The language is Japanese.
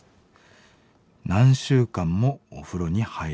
何週間もお風呂に入れません。